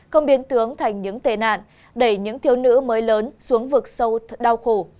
không biến tướng thành những tệ nạn đẩy những thiếu nữ mới lớn xuống vực sâu đau khổ